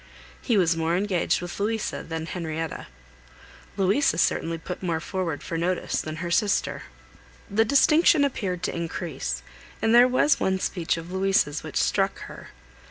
He was more engaged with Louisa than with Henrietta. Louisa certainly put more forward for his notice than her sister. This distinction appeared to increase, and there was one speech of Louisa's which struck her.